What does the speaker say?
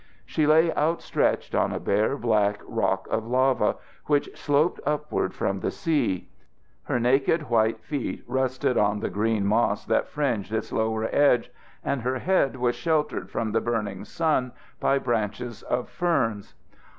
She lay out stretched on a bare, black rock of lava, which sloped upward from the sea. Her naked white feet rested on the green moss that fringed its lower edge, and her head was sheltered from the burning sun by branches of ferns.